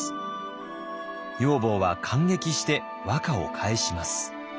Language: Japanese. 女房は感激して和歌を返します。